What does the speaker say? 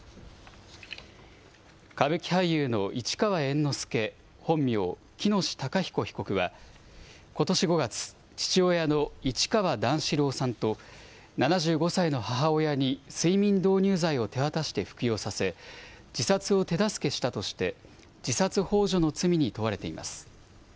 歌舞伎俳優の市川猿之助、本名・喜熨斗孝彦被告はことし５月、父親の市川段四郎さんと、７５歳の母親に睡眠導入剤を手渡して服用させ、自殺を手助けしたとして、自殺ほう助の罪に問われています。